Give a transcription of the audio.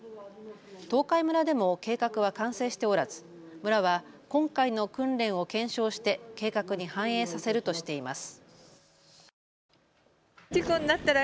東海村でも計画は完成しておらず村は今回の訓練を検証して計画に反映させるとしています。